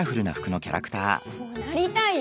こうなりたいよ！